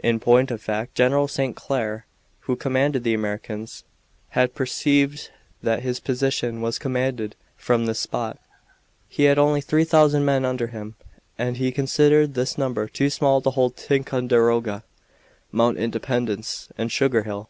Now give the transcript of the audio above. In point of fact General St. Clair, who commanded the Americans, had perceived that his position was commanded from this spot. He had only 3000 men under him, and he considered this number too small to hold Ticonderoga, Mount Independence, and Sugar Hill.